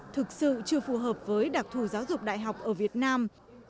thực sự chưa phù hợp với đặc thù giáo dục đại học ở việt nam